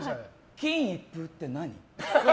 金一封って何？